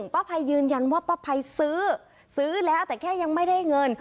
ป้าภัยยืนยันว่าป้าภัยซื้อซื้อแล้วแต่แค่ยังไม่ได้เงิน